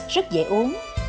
rất dễ uống